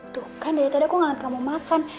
tuh kan dede tadi aku ngeliat kamu makan